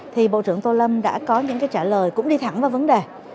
thì bộ trưởng tô lâm đã có những cái trả lời cũng đi thẳng vào vấn đề